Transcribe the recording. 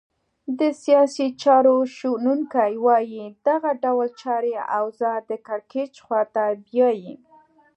د سیاسي چارو شنونکي وایې دغه ډول چاري اوضاع د کرکېچ خواته بیایې.